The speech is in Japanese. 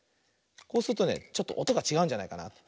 こうするとねちょっとおとがちがうんじゃないかな。